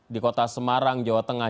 di kota semarang jawa tengah